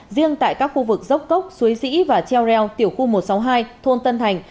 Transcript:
riêng tại các khu vực dốc cốc suối dĩ và treo reo tiểu khu một trăm sáu mươi hai thôn tân thành